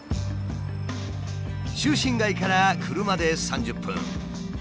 中心街から車で３０分。